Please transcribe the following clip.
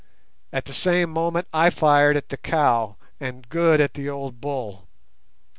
At the same moment I fired at the cow, and Good at the old bull.